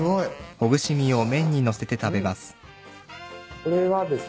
これはですね